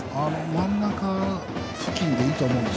真ん中付近でいいと思うんです。